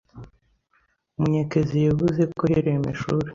Munyekezi yevuze ko heri emeshuri